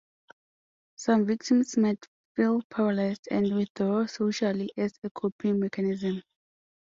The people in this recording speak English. Some victims might feel paralyzed and withdraw socially as a coping mechanism.